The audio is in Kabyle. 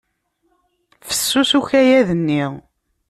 Fessus ukayad-nni.